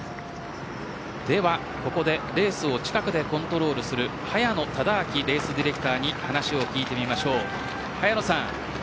では、ここでレースを近くでコントロールする早野忠昭レースディレクターに話を聞いてみます。